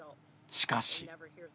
しかし。